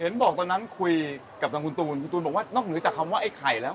บอกตอนนั้นคุยกับทางคุณตูนคุณตูนบอกว่านอกเหนือจากคำว่าไอ้ไข่แล้ว